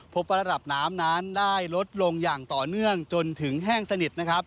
พบว่าระดับน้ำนั้นได้ลดลงอย่างต่อเนื่องจนถึงแห้งสนิทนะครับ